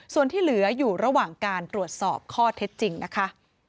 ส่วนที่เหลืออยู่ระหว่างการตรวจสอบข้อเท็จจริงนะคะ